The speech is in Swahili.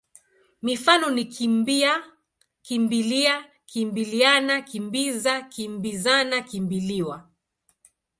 Mifano ni kimbi-a, kimbi-lia, kimbili-ana, kimbi-za, kimbi-zana, kimbi-liwa.